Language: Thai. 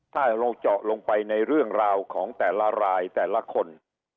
ถ้าเราเจาะลงไปในเรื่องราวของแต่ละรายแต่ละคน